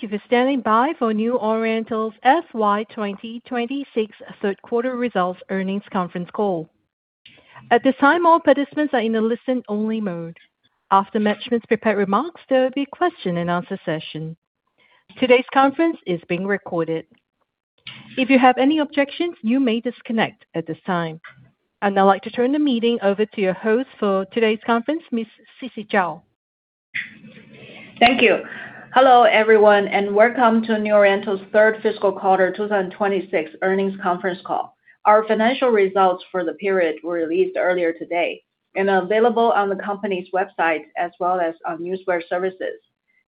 Thank you for standing by for New Oriental's FY 2026 third quarter results earnings conference call. At this time, all participants are in a listen-only mode. After management's prepared remarks, there will be a question and answer session. Today's conference is being recorded. If you have any objections, you may disconnect at this time. I'd now like to turn the meeting over to your host for today's conference, Ms. Sisi Zhao. Thank you. Hello, everyone, and welcome to New Oriental's third fiscal quarter 2026 earnings conference call. Our financial results for the period were released earlier today and are available on the company's website as well as on newswire services.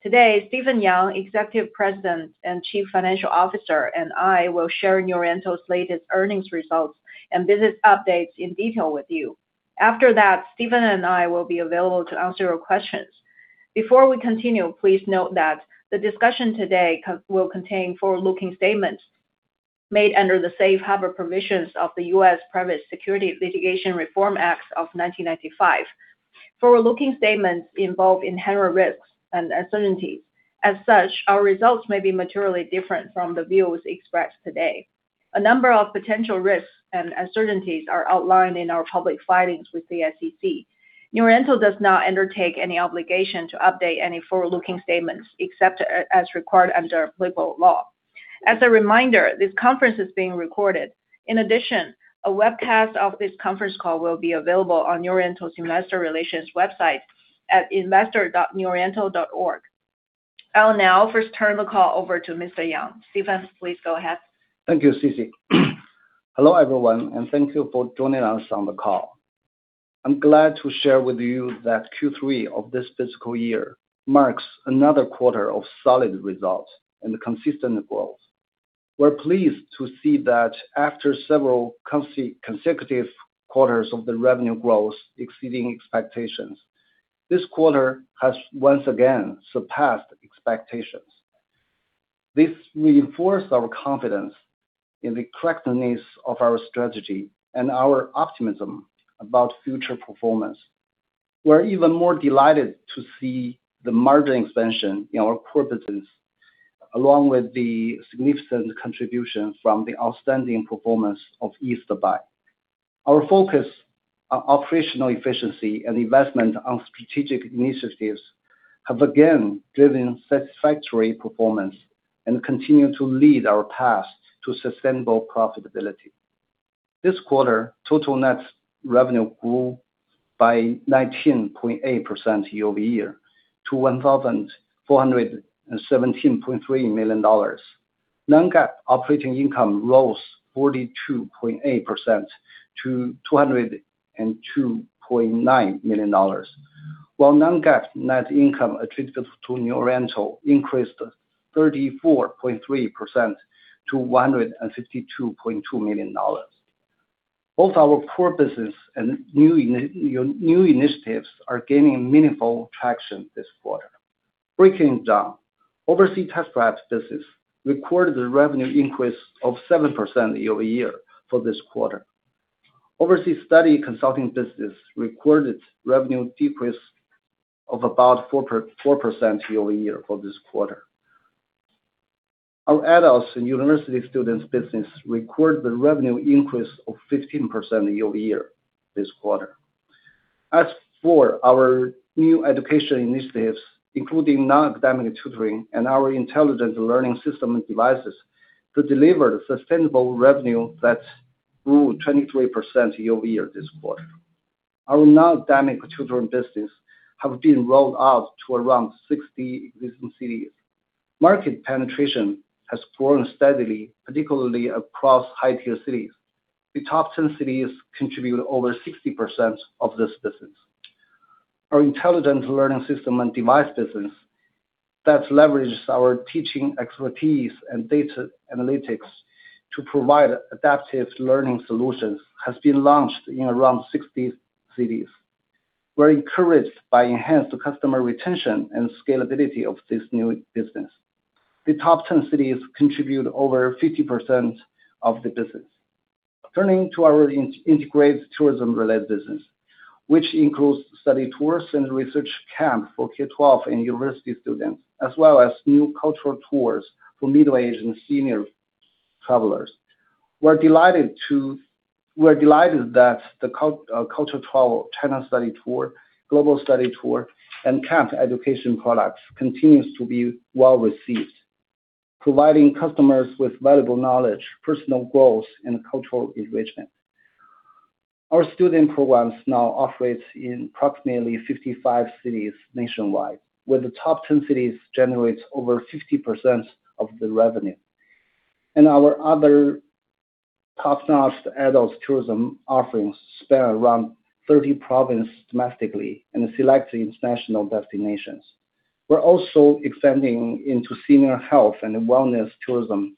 Today, Stephen Zhihui Yang, Executive President and Chief Financial Officer, and I will share New Oriental's latest earnings results and business updates in detail with you. After that, Stephen and I will be available to answer your questions. Before we continue, please note that the discussion today will contain forward-looking statements made under the safe harbor provisions of the U.S. Private Securities Litigation Reform Act of 1995. Forward-looking statements involve inherent risks and uncertainties. As such, our results may be materially different from the views expressed today. A number of potential risks and uncertainties are outlined in our public filings with the SEC. New Oriental does not undertake any obligation to update any forward-looking statements except as required under applicable law. As a reminder, this conference is being recorded. In addition, a webcast of this conference call will be available on New Oriental's investor relations website at investor.neworiental.org. I'll now first turn the call over to Mr. Yang. Stephen, please go ahead. Thank you, Sisi. Hello, everyone, and thank you for joining us on the call. I'm glad to share with you that Q3 of this fiscal year marks another quarter of solid results and consistent growth. We're pleased to see that after several consecutive quarters of the revenue growth exceeding expectations, this quarter has once again surpassed expectations. This reinforced our confidence in the correctness of our strategy and our optimism about future performance. We are even more delighted to see the margin expansion in our core business, along with the significant contribution from the outstanding performance of East Buy. Our focus on operational efficiency and investment on strategic initiatives have again driven satisfactory performance and continue to lead our path to sustainable profitability. This quarter, total net revenue grew by 19.8% year-over-year to $1,417.3 million. Non-GAAP operating income rose 42.8% to $202.9 million, while non-GAAP net income attributed to New Oriental increased 34.3% to $152.2 million. Both our core business and new initiatives are gaining meaningful traction this quarter. Breaking it down. Overseas test prep business recorded a revenue increase of 7% year-over-year for this quarter. Overseas study consulting business recorded revenue decrease of about 4% year-over-year for this quarter. Our adults and university students business recorded a revenue increase of 15% year-over-year this quarter. As for our new education initiatives, including non-academic tutoring and our intelligent learning system and devices to deliver sustainable revenue that grew 23% year-over-year this quarter. Our non-academic tutoring business have been rolled out to around 60 existing cities. Market penetration has grown steadily, particularly across high-tier cities. The top 10 cities contribute over 60% of this business. Our intelligent learning system and devices business that leverages our teaching expertise and data analytics to provide adaptive learning solutions has been launched in around 60 cities. We're encouraged by enhanced customer retention and scalability of this new business. The top 10 cities contribute over 50% of the business. Turning to our integrated tourism-related business, which includes study tours and research camp for K12 and university students, as well as new cultural tours for middle-aged and senior travelers. We're delighted that the culture travel, China study tour, global study tour, and camp education products continues to be well-received, providing customers with valuable knowledge, personal growth, and cultural enrichment. Our student programs now operate in approximately 55 cities nationwide, where the top 10 cities generate over 50% of the revenue. Our other top-notch adult tourism offerings span around 30 provinces domestically and select international destinations. We're also expanding into senior health and wellness tourism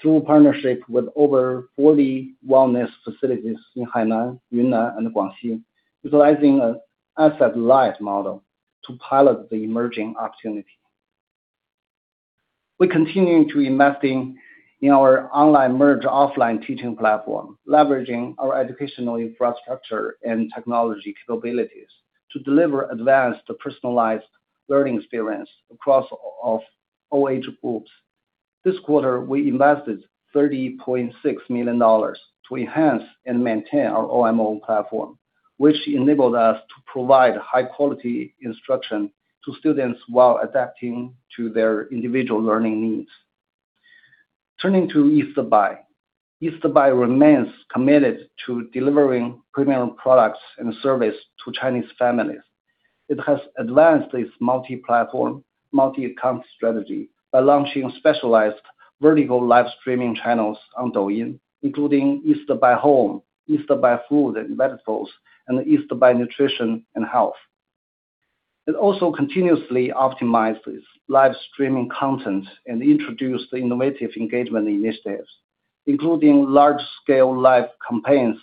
through partnership with over 40 wellness facilities in Hainan, Yunnan, and Guangxi, utilizing an asset-light model to pilot the emerging opportunity. We continue to invest in our online merge offline teaching platform, leveraging our educational infrastructure and technology capabilities to deliver advanced personalized learning experience across all age groups. This quarter, we invested $30.6 million to enhance and maintain our OMO platform, which enabled us to provide high quality instruction to students while adapting to their individual learning needs. Turning to East Buy. East Buy remains committed to delivering premium products and service to Chinese families. It has advanced its multi-platform, multi-account strategy by launching specialized vertical live streaming channels on Douyin, including East Buy Home, East Buy Fruit & Vegetables, and East Buy Nutrition & Health. It also continuously optimizes live streaming content and introduced innovative engagement initiatives, including large-scale live campaigns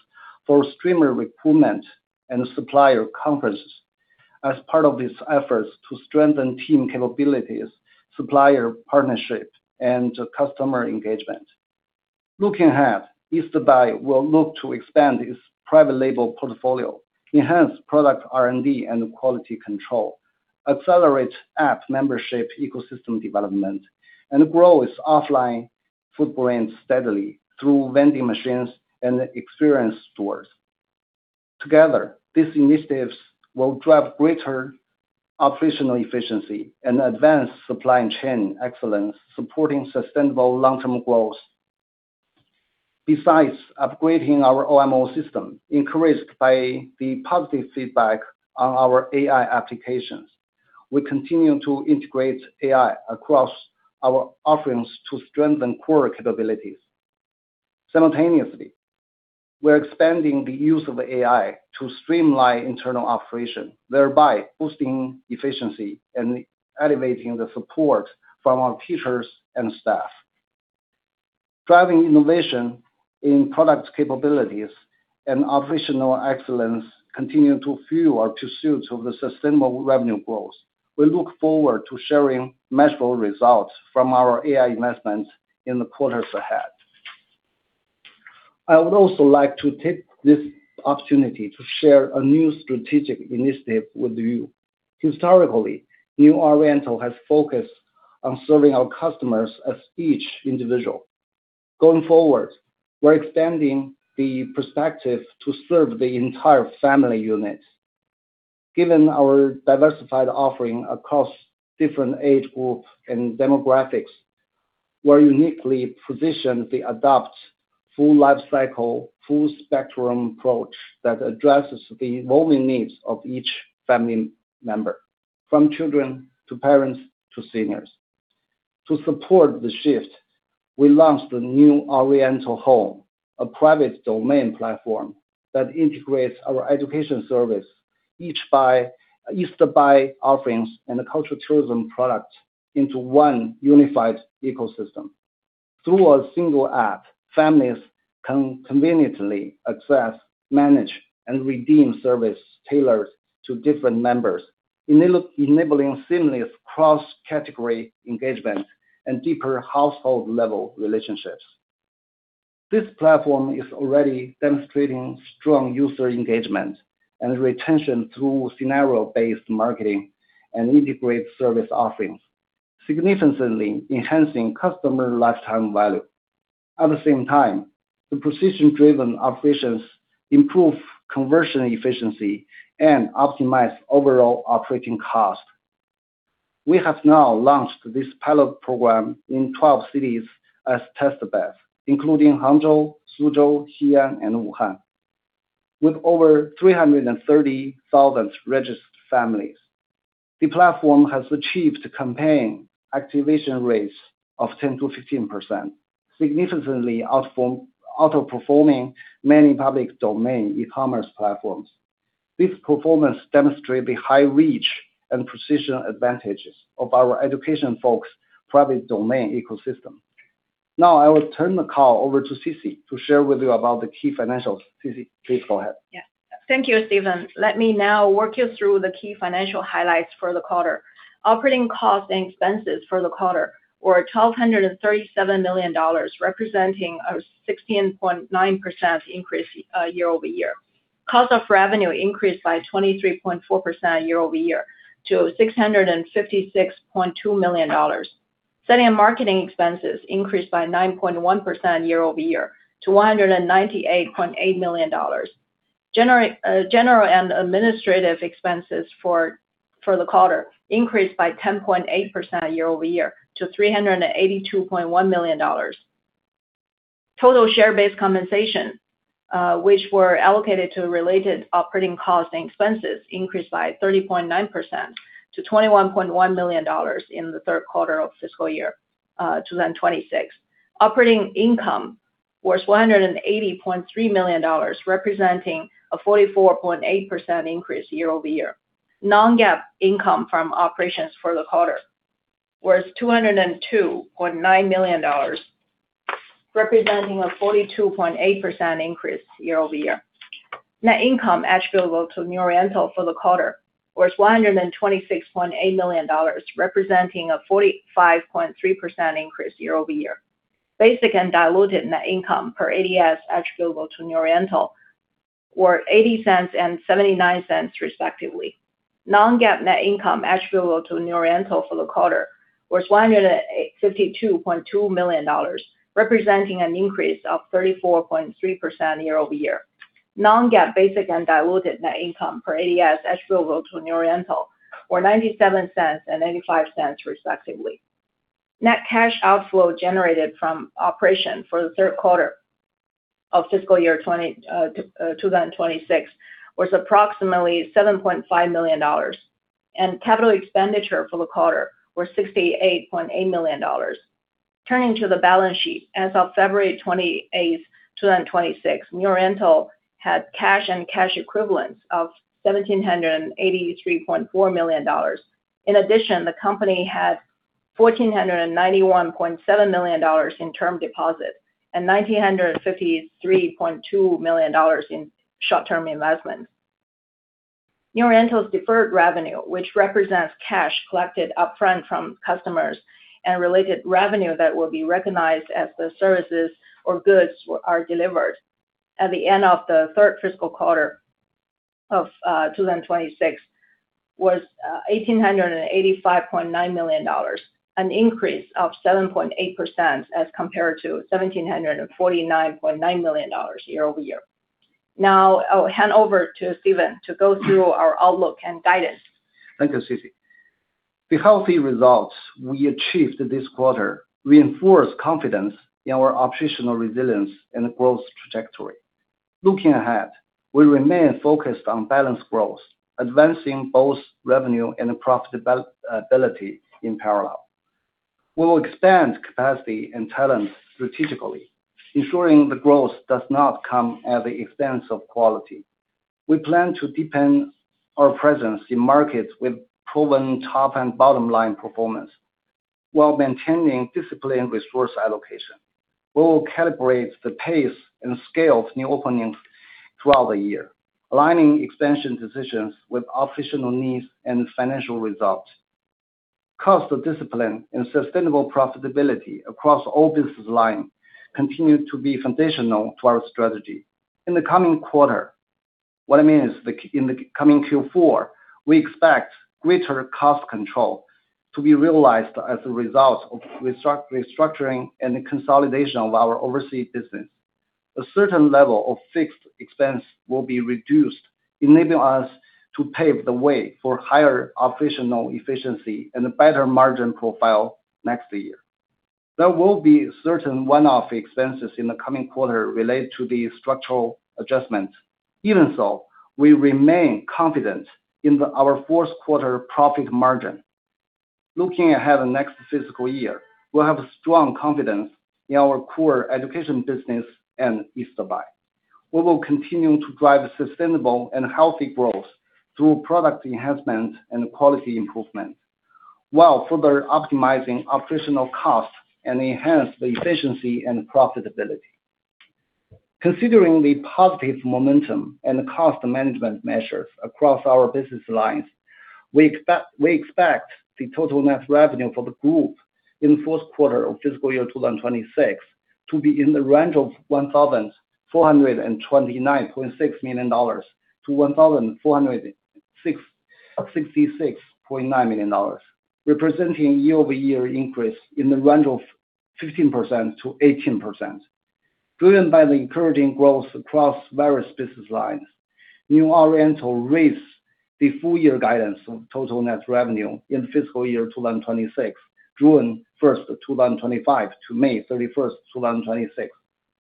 for streamer recruitment and supplier conferences as part of its efforts to strengthen team capabilities, supplier partnerships, and customer engagement. Looking ahead, East Buy will look to expand its private label portfolio, enhance product R&D and quality control, accelerate app membership ecosystem development, and grow its offline footprint steadily through vending machines and experience stores. Together, these initiatives will drive greater operational efficiency and advance supply chain excellence, supporting sustainable long-term growth. Besides upgrading our OMO system, encouraged by the positive feedback on our AI applications, we continue to integrate AI across our offerings to strengthen core capabilities. Simultaneously, we're expanding the use of AI to streamline internal operation, thereby boosting efficiency and elevating the support from our teachers and staff. Driving innovation in product capabilities and operational excellence continue to fuel our pursuit of the sustainable revenue growth. We look forward to sharing measurable results from our AI investments in the quarters ahead. I would also like to take this opportunity to share a new strategic initiative with you. Historically, New Oriental has focused on serving our customers as each individual. Going forward, we're expanding the perspective to serve the entire family unit. Given our diversified offering across different age groups and demographics, we're uniquely positioned to adopt full life cycle, full spectrum approach that addresses the evolving needs of each family member, from children to parents to seniors. To support the shift, we launched the New Oriental Home, a private domain platform that integrates our education service, East Buy offerings, and the cultural tourism product into one unified ecosystem. Through a single app, families can conveniently access, manage, and redeem service tailored to different members, enabling seamless cross-category engagement and deeper household-level relationships. This platform is already demonstrating strong user engagement and retention through scenario-based marketing and integrated service offerings, significantly enhancing customer lifetime value. At the same time, the precision-driven operations improve conversion efficiency and optimize overall operating cost. We have now launched this pilot program in 12 cities as test beds, including Hangzhou, Suzhou, Xi'an, and Wuhan. With over 330,000 registered families, the platform has achieved campaign activation rates of 10%-15%, significantly outperforming many public domain e-commerce platforms. This performance demonstrate the high reach and precision advantages of our education focused private domain ecosystem. Now I will turn the call over to Sisi to share with you about the key financials. Sisi, please go ahead. Yeah. Thank you, Stephen. Let me now walk you through the key financial highlights for the quarter. Operating costs and expenses for the quarter were $1,237 million, representing a 16.9% increase year-over-year. Cost of revenue increased by 23.4% year-over-year to $656.2 million. Selling and marketing expenses increased by 9.1% year-over-year to $198.8 million. General and administrative expenses for the quarter increased by 10.8% year-over-year to $382.1 million. Total share-based compensation, which were allocated to related operating costs and expenses, increased by 30.9% to $21.1 million in the third quarter of fiscal year 2026. Operating income was $180.3 million, representing a 44.8% increase year-over-year. Non-GAAP income from operations for the quarter was $202.9 million, representing a 42.8% increase year-over-year. Net income attributable to New Oriental for the quarter was $126.8 million, representing a 45.3% increase year-over-year. Basic and diluted net income per ADS attributable to New Oriental were $0.80 and $0.79 respectively. Non-GAAP net income attributable to New Oriental for the quarter was $152.2 million, representing an increase of 34.3% year-over-year. Non-GAAP basic and diluted net income per ADS attributable to New Oriental were $0.97 and $0.95 respectively. Net cash outflow generated from operation for the third quarter of fiscal year 2026 was approximately $7.5 million, and capital expenditure for the quarter was $68.8 million. Turning to the balance sheet. As of February 28th, 2026, New Oriental had cash and cash equivalents of $1,783.4 million. In addition, the company had $1,491.7 million in term deposits and $9,953.2 million in short-term investments. New Oriental's deferred revenue, which represents cash collected upfront from customers and related revenue that will be recognized as the services or goods are delivered at the end of the third fiscal quarter of 2026, was $1,885.9 million, an increase of 7.8% as compared to $1,749.9 million year-over-year. Now, I'll hand over to Stephen to go through our outlook and guidance. Thank you, Sisi. The healthy results we achieved this quarter reinforce confidence in our operational resilience and growth trajectory. Looking ahead, we remain focused on balanced growth, advancing both revenue and profitability in parallel. We will expand capacity and talent strategically, ensuring the growth does not come at the expense of quality. We plan to deepen our presence in markets with proven top and bottom line performance while maintaining disciplined resource allocation. We will calibrate the pace and scale of new openings throughout the year, aligning expansion decisions with operational needs and financial results. Cost discipline and sustainable profitability across all business lines continue to be foundational to our strategy. In the coming quarter, what I mean is in the coming Q4, we expect greater cost control to be realized as a result of restructuring and consolidation of our overseas business. A certain level of fixed expense will be reduced, enabling us to pave the way for higher operational efficiency and a better margin profile next year. There will be certain one-off expenses in the coming quarter related to the structural adjustments. Even so, we remain confident in our fourth quarter profit margin. Looking ahead the next fiscal year, we have strong confidence in our core education business and East Buy. We will continue to drive sustainable and healthy growth through product enhancement and quality improvement, while further optimizing operational costs and enhance the efficiency and profitability. Considering the positive momentum and the cost management measures across our business lines, we expect the total net revenue for the group in the fourth quarter of fiscal year 2026 to be in the range of $1,429.6 million-$1,466.9 million, representing year-over-year increase in the range of 15%-18%, driven by the encouraging growth across various business lines. New Oriental raised the full year guidance of total net revenue in fiscal year 2026, June 1st, 2025 to May 31st, 2026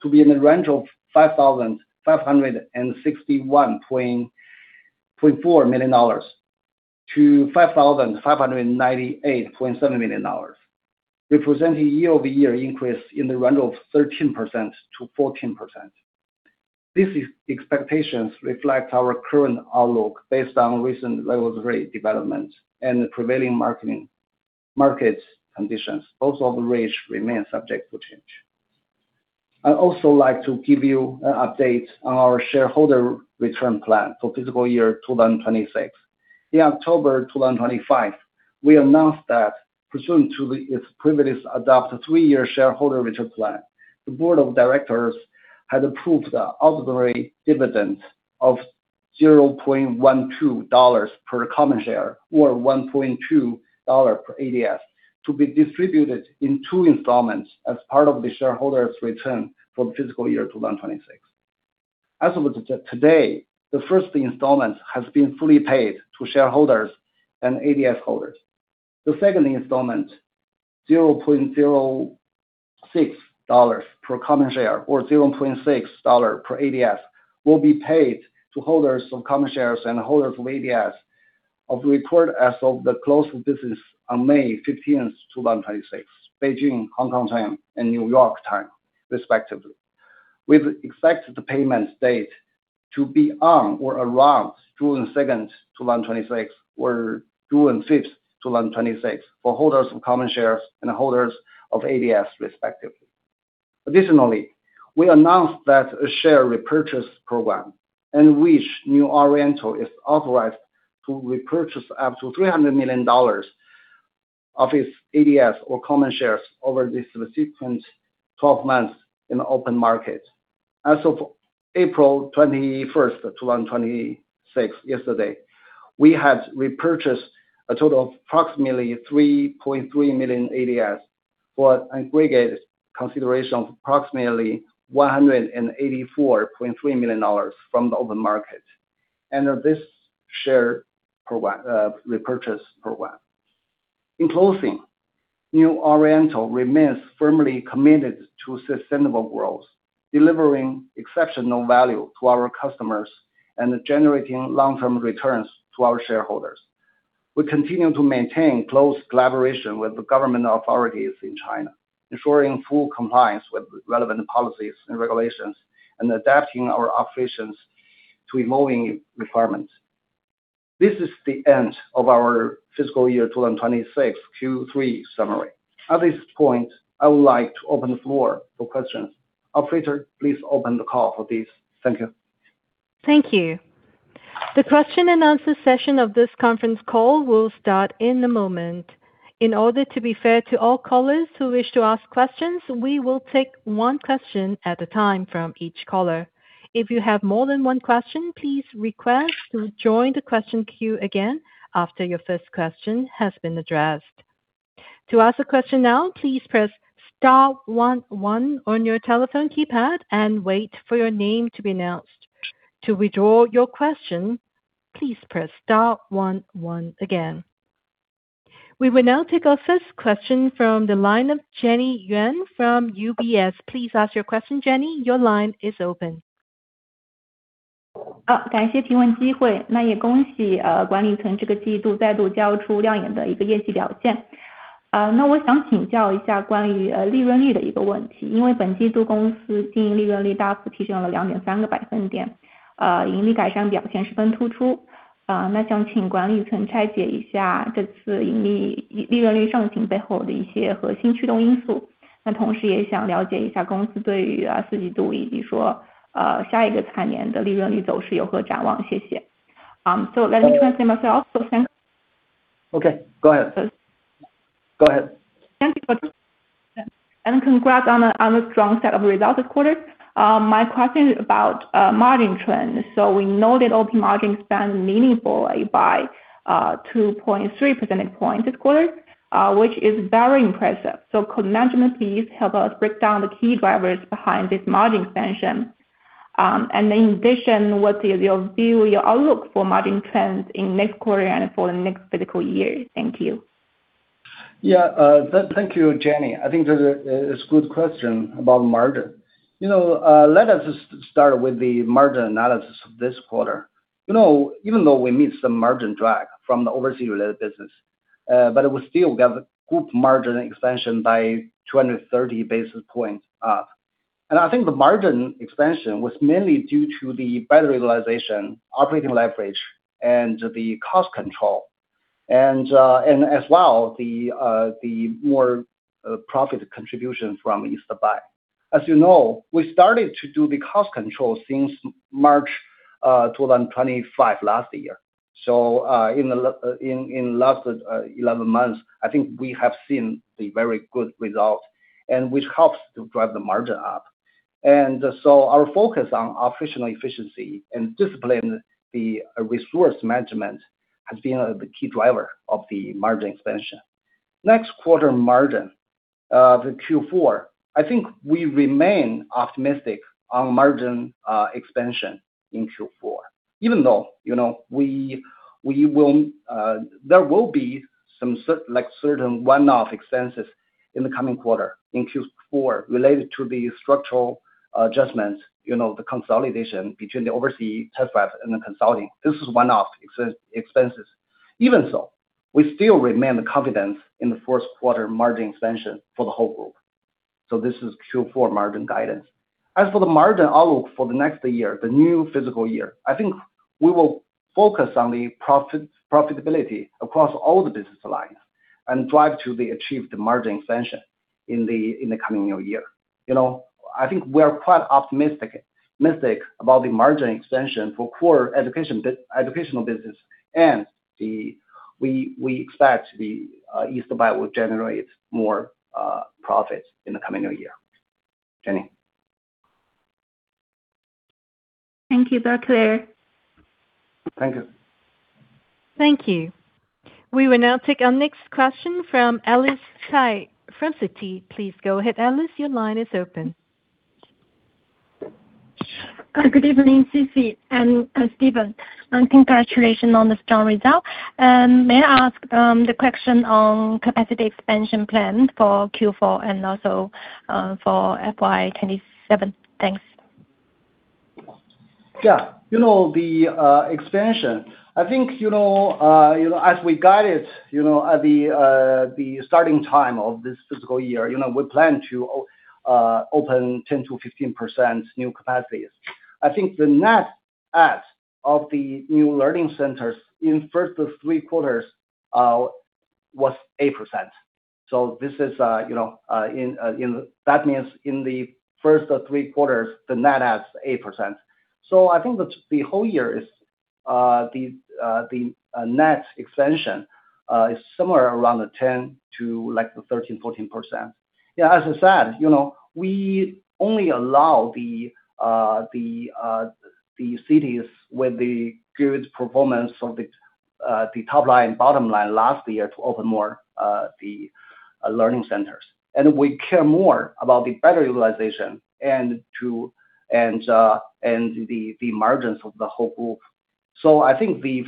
to be in the range of $5,561.4 million-$5,598.7 million, representing year-over-year increase in the range of 13%-14%. These expectations reflect our current outlook based on recent levels of development and the prevailing market conditions. Both of which remain subject to change. I'd also like to give you an update on our shareholder return plan for fiscal year 2026. In October 2025, we announced that pursuant to its previously adopted three-year shareholder return plan, the Board of Directors had approved the ordinary dividend of $0.12 per common share or $1.2 per ADS to be distributed in two installments as part of the shareholder's return for the fiscal year 2026. As of today, the first installment has been fully paid to shareholders and ADS holders. The second installment, $0.06 per common share or $0.6 per ADS, will be paid to holders of common shares and holders of ADS of record as of the close of business on May 15th, 2026, Beijing, Hong Kong time and New York time, respectively. We expect the payment date to be on or around June 2nd, 2026 or June 5th, 2026 for holders of common shares and holders of ADS respectively. Additionally, we announced that a share repurchase program in which New Oriental is authorized to repurchase up to $300 million of its ADS or common shares over the subsequent 12 months in the open market. As of April 21st of 2026, yesterday, we had repurchased a total of approximately 3.3 million ADS for an aggregate consideration of approximately $184.3 million from the open market under this share repurchase program. In closing, New Oriental remains firmly committed to sustainable growth, delivering exceptional value to our customers and generating long-term returns to our shareholders. We continue to maintain close collaboration with the government authorities in China, ensuring full compliance with relevant policies and regulations, and adapting our operations to evolving requirements. This is the end of our fiscal year 2026 Q3 summary. At this point, I would like to open the floor for questions. Operator, please open the call for this. Thank you. Thank you. The question and answer session of this conference call will start in a moment. In order to be fair to all callers who wish to ask questions, we will take one question at a time from each caller. If you have more than one question, please request to join the question queue again after your first question has been addressed. To ask a question now, please press star one one on your telephone keypad and wait for your name to be announced. To withdraw your question, please press star one one again. We will now take our first question from the line of Jenny Yuan from UBS. Please ask your question, Jenny. Your line is open. Okay, go ahead. Thank you for that. Congrats on the strong set of results this quarter. My question is about margin trends. We know that OP margin expanded meaningfully by 2.3 percentage points this quarter, which is very impressive. Could management please help us break down the key drivers behind this margin expansion? In addition, what is your view, your outlook for margin trends in next quarter and for the next fiscal year? Thank you. Yeah. Thank you, Jenny. I think that is a good question about margin. Let us start with the margin analysis this quarter. Even though we missed the margin track from the overseas-related business, but we still got the group margin expansion by 230 basis points up. I think the margin expansion was mainly due to the better realization operating leverage and the cost control. As well, the more profit contribution from East Buy. As you know, we started to do the cost control since March 2025 last year. In last 11 months, I think we have seen the very good result and which helps to drive the margin up. Our focus on operational efficiency and discipline, the resource management has been the key driver of the margin expansion. Next quarter margin, the Q4, I think we remain optimistic on margin expansion in Q4, even though there will be certain one-off expenses in the coming quarter, in Q4, related to the structural adjustments, the consolidation between the overseas test prep and the consulting. This is one-off expenses. Even so, we still remain confident in the first quarter margin expansion for the whole group. This is Q4 margin guidance. As for the margin outlook for the next year, the new fiscal year, I think we will focus on the profitability across all the business lines and drive to achieve the margin expansion in the coming new year. I think we are quite optimistic about the margin expansion for core educational business and we expect East Buy will generate more profits in the coming new year. Jenny? Thank you. That's clear. Thank you. Thank you. We will now take our next question from Alice Cai from Citi. Please go ahead, Alice, your line is open. Good evening, Sisi and Stephen, and congratulations on the strong result. May I ask the question on capacity expansion plans for Q4 and also for FY 2027? Thanks. Yeah. The expansion, I think, as we guided, the starting time of this fiscal year, we plan to open 10%-15% new capacities. I think the net add of the new learning centers in the first three quarters was 8%. That means in the first three quarters, the net add is 8%. I think the whole year, the net expansion is somewhere around 10%-13%, 14%. Yeah, as I said, we only allow the cities with the good performance of the top line, bottom line last year to open more of the learning centers. We care more about the better utilization and the margins of the whole group. I think we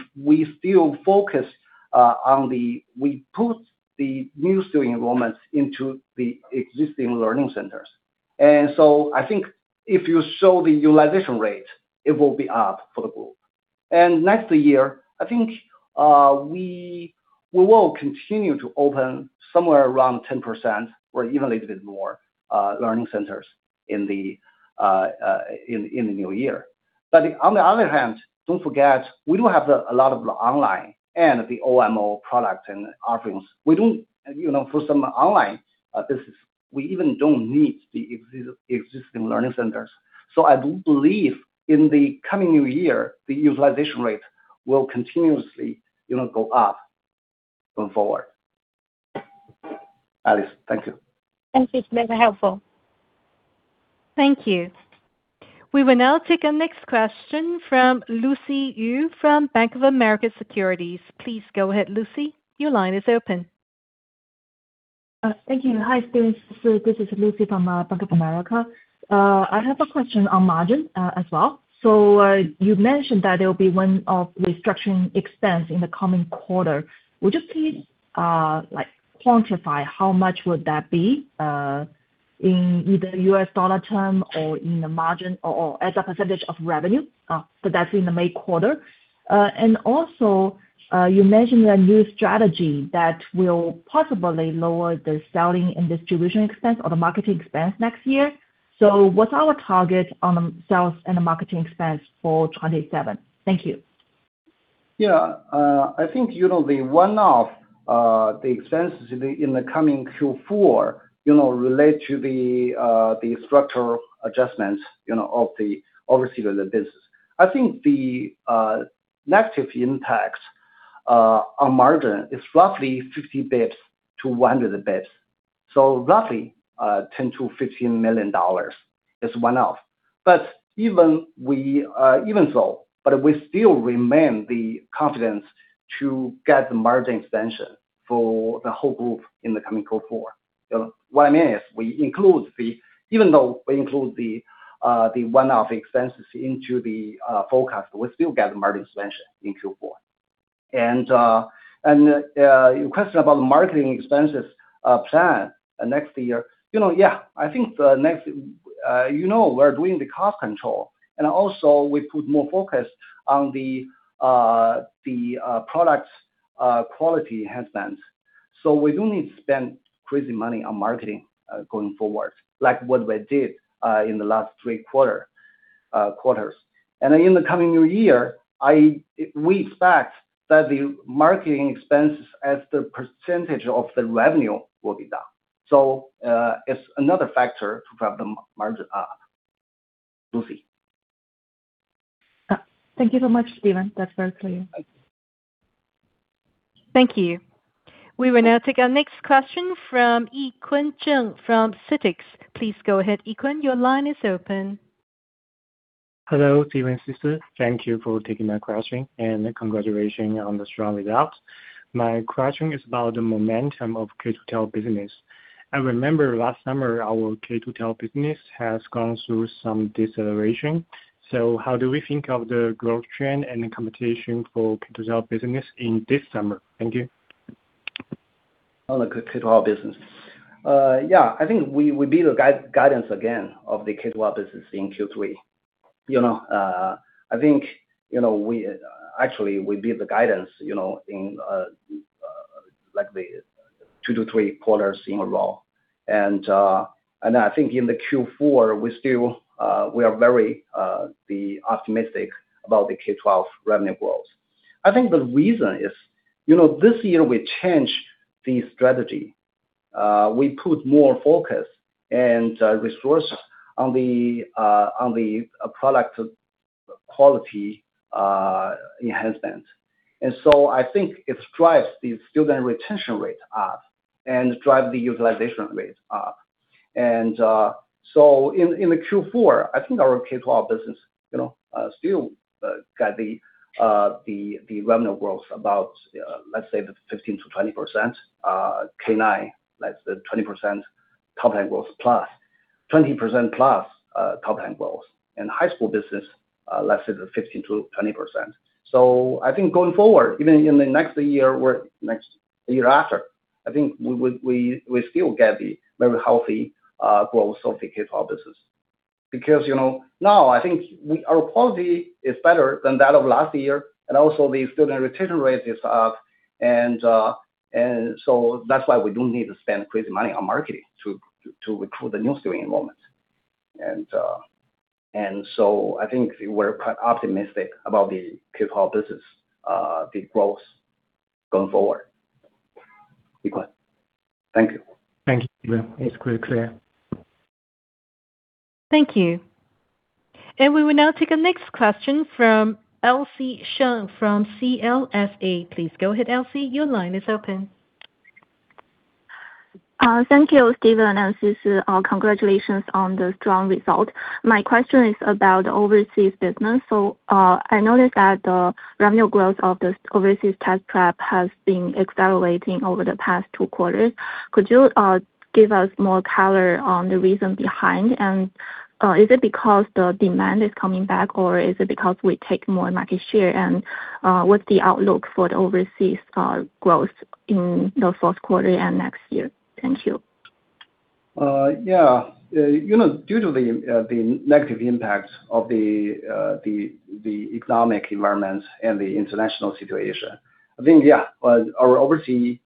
put the new student enrollments into the existing learning centers. I think if you show the utilization rate, it will be up for the group. Next year, I think we will continue to open somewhere around 10% or even a little bit more learning centers in the new year. On the other hand, don't forget, we do have a lot of online and the OMO products and offerings. For some online business, we even don't need the existing learning centers. I do believe in the coming new year, the utilization rate will continuously go up moving forward. Alice, thank you. Thank you. It's very helpful. Thank you. We will now take our next question from Lucy Yu from Bank of America Merrill Lynch. Please go ahead, Lucy. Your line is open. Thank you. Hi, Stephen and Sisi. This is Lucy from Bank of America Merrill Lynch. I have a question on margin as well. You mentioned that there'll be one-off restructuring expense in the coming quarter. Would you please quantify how much would that be in either U.S. dollar term or in the margin or as a percentage of revenue? That's in the May quarter. Also, you mentioned a new strategy that will possibly lower the selling and distribution expense or the marketing expense next year. What's our target on the sales and the marketing expense for 2027? Thank you. Yeah. I think the one-off expenses in the coming Q4 relate to the structural adjustments of the overseas related business. I think the negative impact on margin is roughly 50 bps-100 bps. Roughly $10 million-$15 million is one-off. Even so, we still remain the confidence to get the margin expansion for the whole group in the coming Q4. What I mean is, even though we include the one-off expenses into the forecast, we still get the margin expansion in Q4. Your question about the marketing expenses plan next year. Yeah, I think we're doing the cost control, and also we put more focus on the products quality enhancements. We don't need to spend crazy money on marketing going forward, like what we did in the last three quarters. In the coming new year, we expect that the marketing expenses as a percentage of the revenue will be down. It's another factor to drive the margin up, Lucy. Thank you so much, Stephen. That's very clear. Thank you. We will now take our next question from Yikun Zheng from CITIC Securities. Please go ahead, Yikun. Your line is open. Hello, Stephen and Sisi. Thank you for taking my question, and congratulations on the strong results. My question is about the momentum of K-12 business. I remember last summer, our K-12 business has gone through some deceleration. How do we think of the growth trend and the competition for K-12 business in this summer? Thank you. On the K-12 business. Yeah, I think we beat the guidance again of the K-12 business in Q3. I think actually we beat the guidance in the two to three quarters in a row. I think in the Q4, we are very optimistic about the K-12 revenue growth. I think the reason is, this year we changed the strategy. We put more focus and resource on the product quality enhancement. I think it drives the student retention rate up and drive the utilization rate up. In the Q4, I think our K-12 business still got the revenue growth about, let's say 15%-20%. K-9, let's say 20% compound growth plus, 20% plus compound growth. High school business, let's say 15%-20%. I think going forward, even in the next year or next year after, I think we still get the very healthy growth of the K-12 business. Because now, I think our quality is better than that of last year, and also the student retention rate is up. That's why we don't need to spend crazy money on marketing to recruit the new student enrollments. I think we're quite optimistic about the K12 business, the growth going forward. Thank you. It's clear. Thank you. We will now take the next question from Elsie Sheng from CLSA Limited. Please go ahead, Elsie, your line is open. Thank you, Stephen and Elsie. Congratulations on the strong result. My question is about overseas business. I noticed that the revenue growth of the overseas test prep has been accelerating over the past two quarters. Could you give us more color on the reason behind and is it because the demand is coming back or is it because we take more market share? What's the outlook for the overseas growth in the fourth quarter and next year? Thank you. Due to the negative impact of the economic environment and the international situation, I think, yeah, our overseas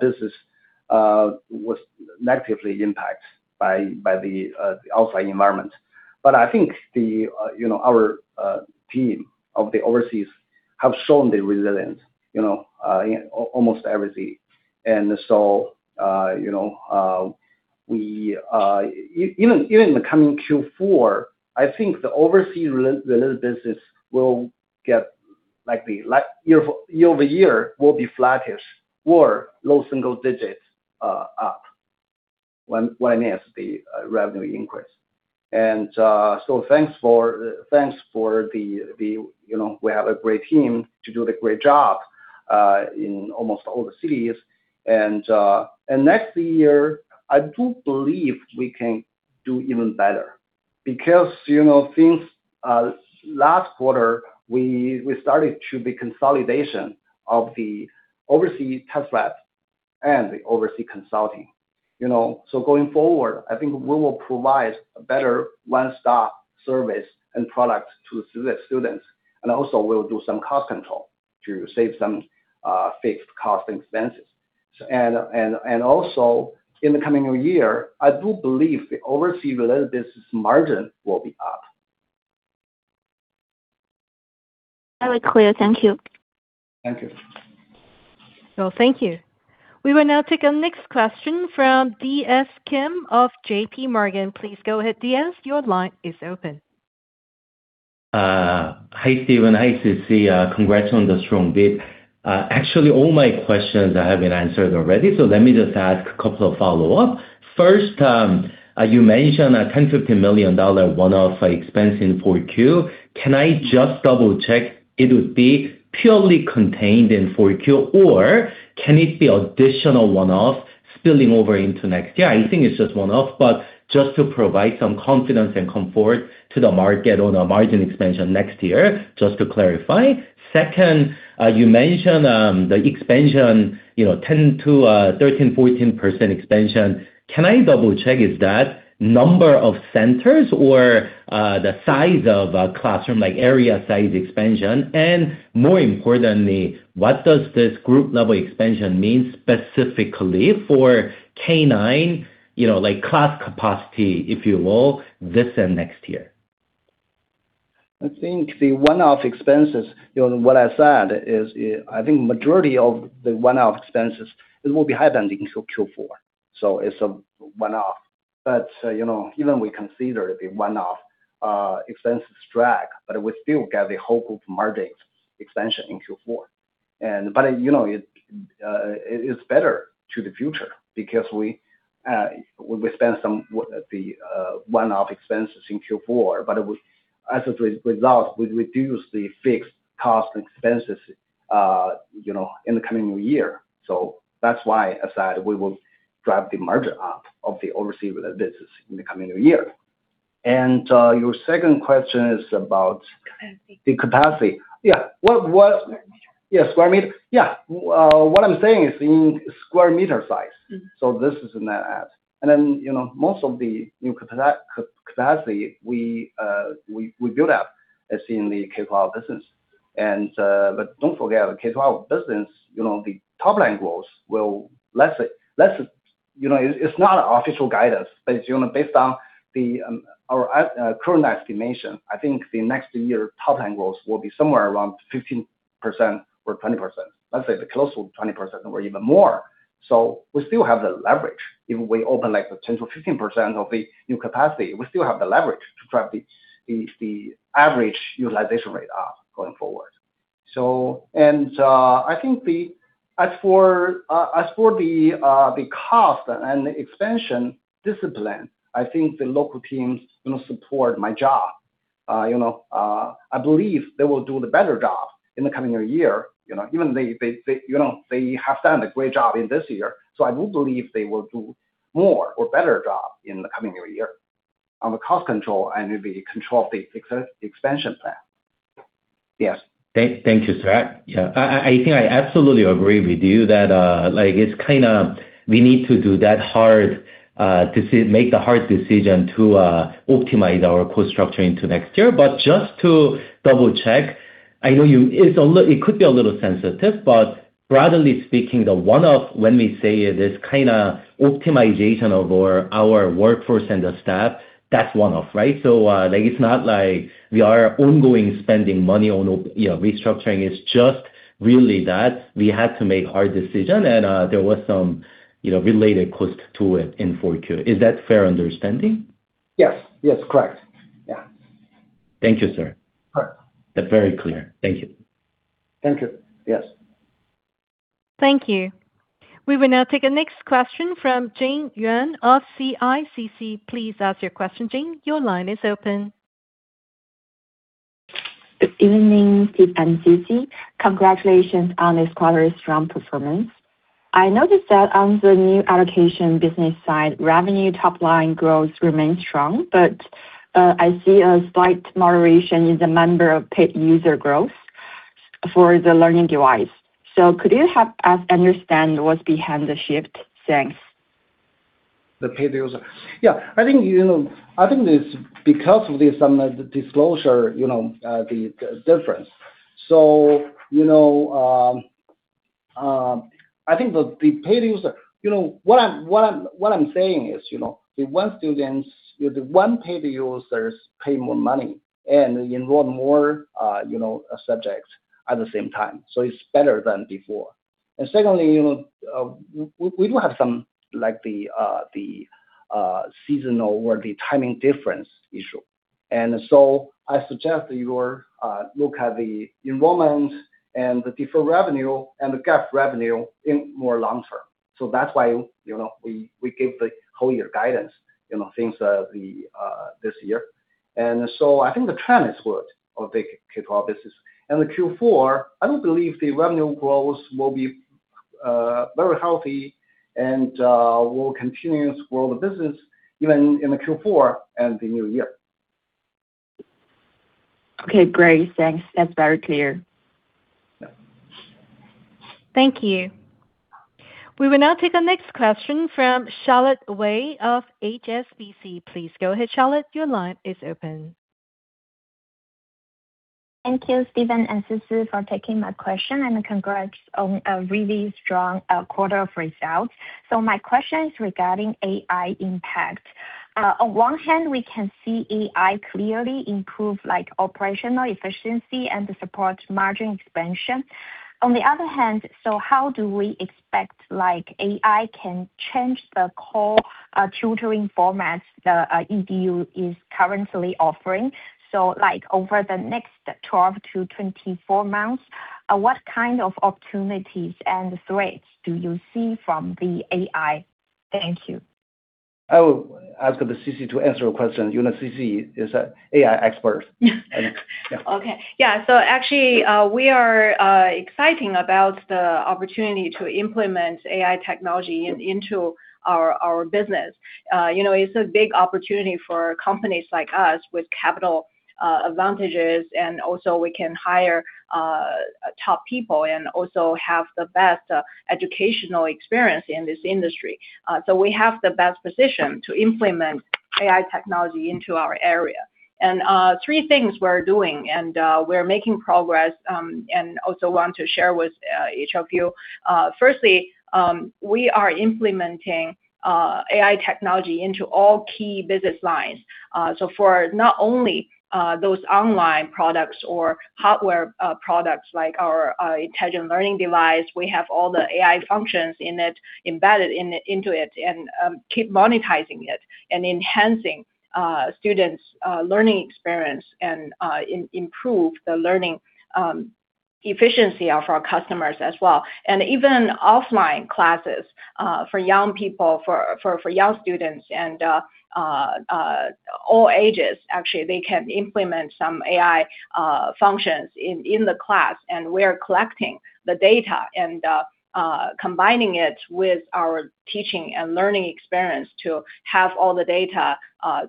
business was negatively impacted by the outside environment. I think our overseas team has shown resilience in almost everything. Even in the coming Q4, I think the overseas business year-over-year will be flattish or low single digits up, year-over-year, the revenue increase. We have a great team to do the great job in almost all the cities. Next year, I do believe we can do even better because since last quarter, we started the consolidation of the overseas test prep and the overseas consulting. Going forward, I think we will provide a better one-stop service and product to the students, and also we'll do some cost control to save some fixed cost expenses. In the coming new year, I do believe the overseas business margin will be up. Very clear. Thank you. Thank you. Well, thank you. We will now take our next question from DS Kim of JPMorgan. Please go ahead, DS. Your line is open. Hi, Stephen. Hi, Sisi. Congrats on the strong bid. Actually, all my questions have been answered already, so let me just ask a couple of follow-up. First, you mentioned a $10million-$15 million one-off expense in Q4. Can I just double-check it would be purely contained in Q4, or can it be additional one-off spilling over into next year? I think it's just one-off, but just to provide some confidence and comfort to the market on a margin expansion next year, just to clarify. Second, you mentioned the expansion, 10%-13%-14% expansion. Can I double-check, is that number of centers or the size of a classroom, like area size expansion? And more importantly, what does this group level expansion mean specifically for K-9, like class capacity, if you will, this and next year? I think the one-off expenses, what I said is I think majority of the one-off expenses will be happening through Q4, so it's a one-off. Even we consider the one-off expenses drag, but we still get the whole group margin expansion in Q4. It's better to the future because we spend some of the one-off expenses in Q4, but as a result, we reduce the fixed cost expenses in the coming year. That's why I said we will drive the margin up of the overseas business in the coming new year. Your second question is about- Capacity. The capacity. What I'm saying is in square meter size. This is in that add. Most of the new capacity we build up as in the K12 business. Don't forget the K12 business. The top line growth. It's not official guidance, but based on our current estimation, I think the next year top line growth will be somewhere around 15% or 20%. Let's say close to 20% or even more. We still have the leverage. If we open like the 10%-15% of the new capacity, we still have the leverage to drive the average utilization rate up going forward. I think as for the cost and the expansion discipline, I think the local teams support my job. I believe they will do a better job in the coming new year. Even they have done a great job in this year, so I do believe they will do more or better job in the coming new year on the cost control and the control of the expansion plan. Yes. Thank you, sir. Yeah. I think I absolutely agree with you that we need to do that hard, make the hard decision to optimize our cost structure into next year. Just to double-check. I know it could be a little sensitive, but broadly speaking, the one-off, when we say it, is optimization of our workforce and the staff. That's one-off, right? It's not like we are ongoing spending money on restructuring. It's just really that we had to make hard decision, and there was some related cost to it in 4Q. Is that fair understanding? Yes. Correct. Yeah. Thank you, sir. All right. That's very clear. Thank you. Thank you. Yes. Thank you. We will now take the next question from Jane Yuan of CICC. Please ask your question, Jane. Your line is open. Good evening, Stephen and Sisi. Congratulations on this quarter's strong performance. I noticed that on the non-academic business side, revenue top-line growth remains strong, but I see a slight moderation in the number of paid user growth for the learning device. Could you help us understand what's behind the shift? Thanks. The paid user. Yeah, I think it's because of the disclosure, the difference. I think the paid user. What I'm saying is, the online students, the online paid users pay more money and enroll more subjects at the same time, so it's better than before. Secondly, we do have some like the seasonal or the timing difference issue. I suggest you look at the enrollment and the deferred revenue and the GAAP revenue in more long-term. That's why we give the whole year guidance since this year. I think the trend is good of the K12 business. The Q4, I do believe the revenue growth will be very healthy and will continue to grow the business even in the Q4 and the new year. Okay, great. Thanks. That's very clear. Yeah. Thank you. We will now take the next question from Charlotte Wei of HSBC. Please go ahead, Charlotte. Your line is open. Thank you, Stephen Yang and Sisi Zhao, for taking my question, and congrats on a really strong quarter of results. My question is regarding AI impact. On one hand, we can see AI clearly improve operational efficiency and support margin expansion. On the other hand, how do we expect AI can change the core tutoring formats that EDU is currently offering? Over the next 12 to 24 months, what kind of opportunities and threats do you see from the AI? Thank you. I will ask Sisi to answer your question. Sisi is an AI expert. Yeah. Okay. Yeah. Actually, we are exciting about the opportunity to implement AI technology into our business. It's a big opportunity for companies like us with capital advantages, and also we can hire top people and also have the best educational experience in this industry. We have the best position to implement AI technology into our area. Three things we're doing, and we're making progress, and also want to share with each of you. Firstly, we are implementing AI technology into all key business lines. For not only those online products or hardware products like our intelligent learning device, we have all the AI functions embedded into it and keep monetizing it and enhancing students' learning experience and improve the learning efficiency of our customers as well. Even offline classes for young people, for young students and all ages, actually, they can implement some AI functions in the class, and we're collecting the data and combining it with our teaching and learning experience to have all the data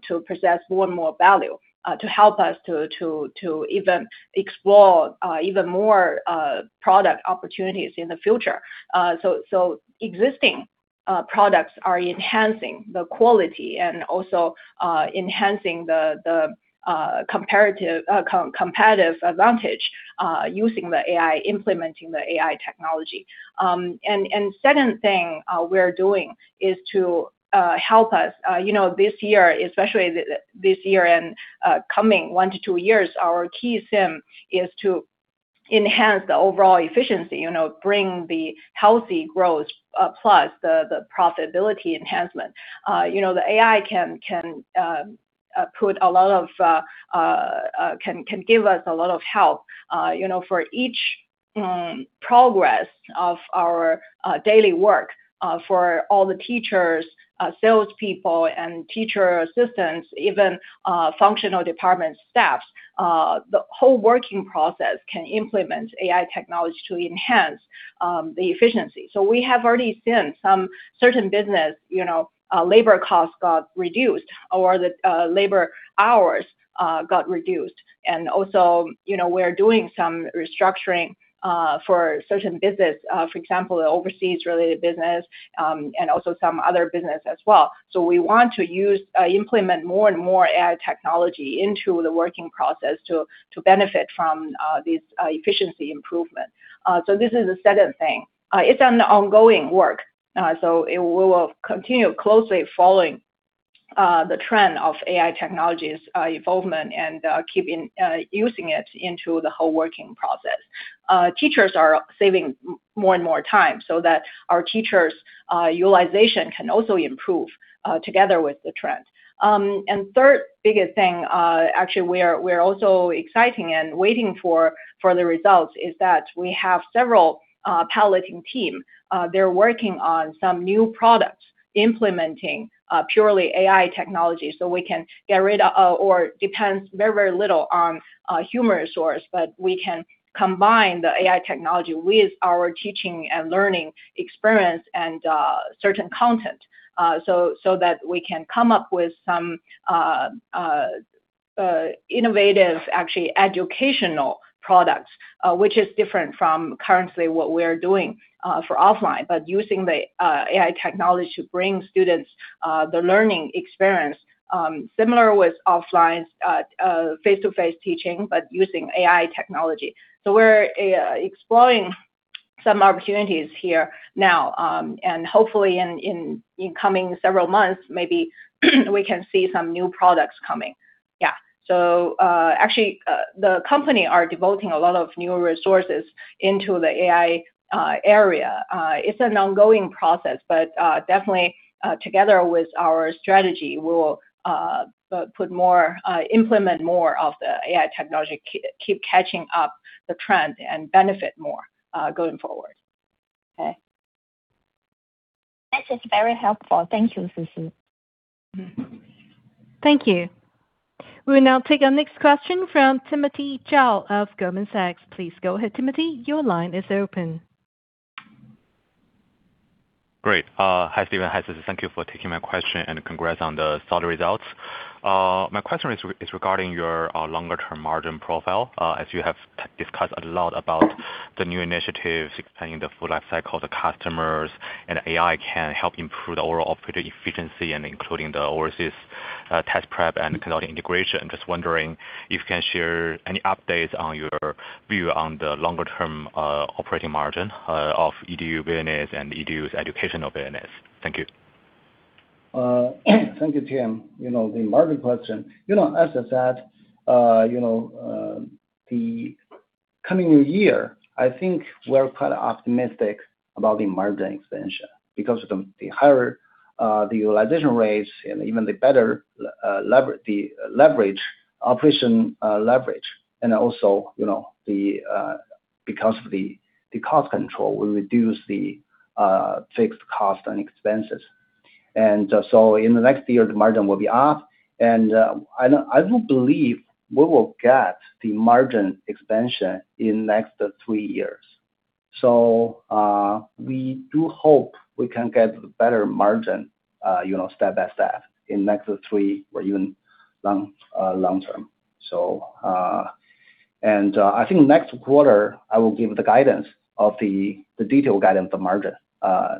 to possess more and more value to help us to even explore even more product opportunities in the future. Existing products are enhancing the quality and also enhancing the competitive advantage using the AI, implementing the AI technology. Second thing we're doing is to help us, this year, especially this year and coming one to two years, our key theme is to enhance the overall efficiency, bring the healthy growth plus the profitability enhancement. The AI can give us a lot of help for each process of our daily work for all the teachers, salespeople, and teacher assistants, even functional department staff. The whole working process can implement AI technology to enhance the efficiency. We have already seen some certain business labor costs got reduced or the labor hours got reduced. We're doing some restructuring for certain business, for example, the overseas-related business, and also some other business as well. We want to implement more and more AI technology into the working process to benefit from these efficiency improvements. This is the second thing. It's an ongoing work. It will continue closely following the trend of AI technology's involvement and keep using it into the whole working process. Teachers are saving more and more time so that our teachers' utilization can also improve together with the trend. Third biggest thing, actually, we're also excited and waiting for the results is that we have several piloting team. They're working on some new products implementing purely AI technology so we can get rid of, or depends very little on human resource, but we can combine the AI technology with our teaching and learning experience and certain content so that we can come up with some innovative, actually, educational products which is different from currently what we're doing for offline, but using the AI technology to bring students the learning experience similar with offline face-to-face teaching, but using AI technology. We're exploring some opportunities here now. Hopefully in coming several months, maybe we can see some new products coming. Yeah. Actually, the company are devoting a lot of new resources into the AI area. It's an ongoing process, but definitely together with our strategy, we'll implement more of the AI technology, keep catching up the trend and benefit more going forward. Okay. This is very helpful. Thank you, Sisi Zhao. Thank you. We'll now take our next question from Timothy Zhao of Goldman Sachs. Please go ahead, Timothy. Your line is open. Great. Hi, Stephen. Hi, Sisi. Thank you for taking my question, and congrats on the solid results. My question is regarding your longer term margin profile. As you have discussed a lot about the new initiatives, extending the full life cycle of the customers, and AI can help improve the overall operating efficiency and including the overseas test prep and consulting integration. Just wondering if you can share any updates on your view on the longer term operating margin of EDU business and EDU's educational business. Thank you. Thank you, Timothy. The margin question. As I said, the coming year, I think we're kind of optimistic about the margin expansion because of the higher the utilization rates and even the better operation leverage. Because of the cost control, we reduce the fixed cost and expenses. In the next year, the margin will be up. I do believe we will get the margin expansion in next three years. We do hope we can get better margin step-by-step in next three or even long term. I think next quarter, I will give the guidance of the detailed guidance of margin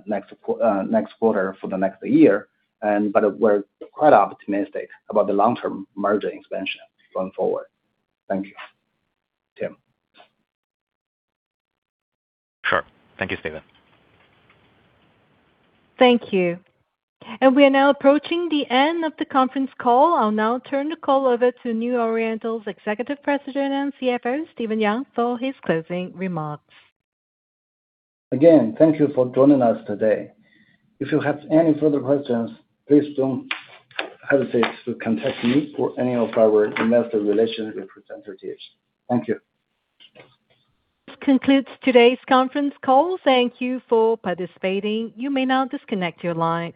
next quarter for the next year, but we're quite optimistic about the long-term margin expansion going forward. Thank you, Timothy. Sure. Thank you, Stephen. Thank you. We are now approaching the end of the conference call. I'll now turn the call over to New Oriental's Executive President and CFO, Stephen Zhihui Yang, for his closing remarks. Again, thank you for joining us today. If you have any further questions, please don't hesitate to contact me or any of our investor relations representatives. Thank you. This concludes today's conference call. Thank you for participating. You may now disconnect your line.